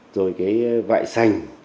rồi cái vại xanh